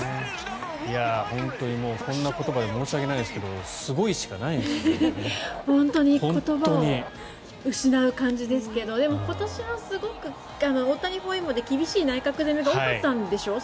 本当にこんな言葉で申し訳ないですけど言葉を失う感じですけどでも今年もすごく大谷包囲網で厳しい内角攻めが多かったんでしょう。